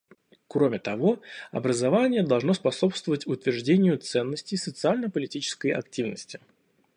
Кроме того, образование должно способствовать утверждению ценностей социально-политической активности.